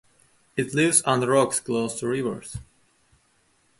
It lives under rocks close to rivers.